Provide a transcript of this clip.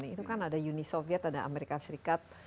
itu kan ada uni soviet ada amerika serikat